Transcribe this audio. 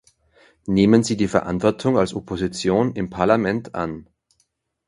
Nehmen Sie die Verantwortung als Opposition im Parlament an.